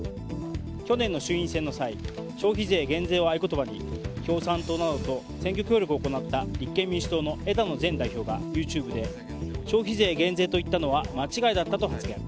去年の衆院選の際消費税減税を合言葉に共産党などと選挙協力を行った立憲民主党の枝野前代表がＹｏｕＴｕｂｅで消費税減税と言ったのは間違いだったと発言。